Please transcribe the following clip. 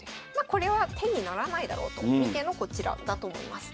これは手にならないだろうと見てのこちらだと思います。